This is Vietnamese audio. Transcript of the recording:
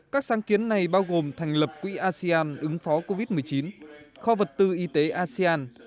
các sáng kiến này bao gồm thành lập quỹ asean ứng phó covid một mươi chín kho vật tư y tế asean